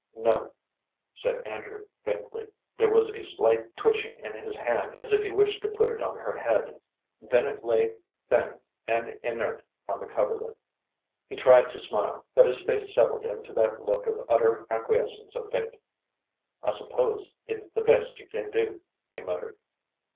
"No," said Andrew, faintly. There was a slight twitching in his hand, as if he wished to put it on her head, then it lay thin and inert on the coverlid. He tried to smile, but his face settled into that look of utter acquiescence of fate. "I s'pose it's the best you can do," he muttered.